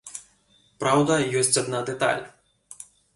Праўда, ёсць адна дэталь.